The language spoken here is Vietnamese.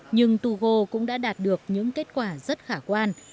nhưng tugo cũng đã đạt được những kết quả rất khả quan